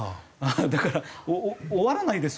だから終わらないです